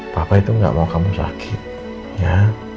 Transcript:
papa itu nggak mau kamu sakit ya